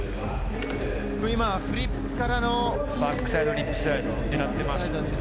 今、フリップからのバックサイドフリップスライドでしたね。